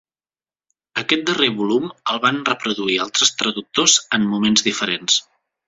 Aquest darrer volum el van reproduir altres traductors en moments diferents.